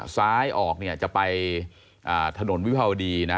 ซ้ายออกเนี่ยจะไปถนนวิภาวดีนะ